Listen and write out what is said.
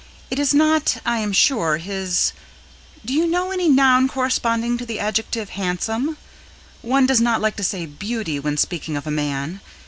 It is not, I am sure, his do you know any noun corresponding to the adjective "handsome"? One does not like to say "beauty" when speaking of a man.